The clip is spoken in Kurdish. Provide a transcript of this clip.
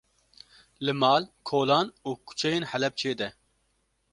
Li mal, kolan û kuçeyên Helepçê de